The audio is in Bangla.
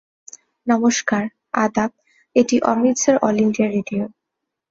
নমস্কার, আদাপ এটি অমৃতসর অল ইন্ডিয়া রেডিও।